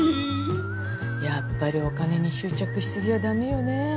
やっぱりお金に執着しすぎは駄目よね。